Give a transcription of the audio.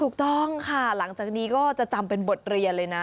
ถูกต้องค่ะหลังจากนี้ก็จะจำเป็นบทเรียนเลยนะ